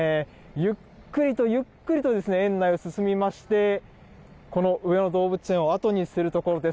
ゆっくりとゆっくりとですね、園内を進みまして、この上野動物園を後にするところです。